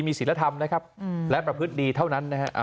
มีศิลธรรมนะครับและประพฤติดีเท่านั้นนะฮะ